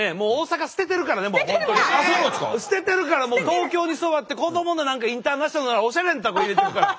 捨ててるから東京に染まって子供のインターナショナルおしゃれなとこ入れてるから。